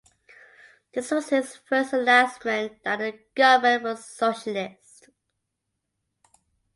This was his first announcement that the government was socialist.